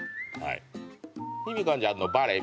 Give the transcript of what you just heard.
「ひみこちゃんのバレエ？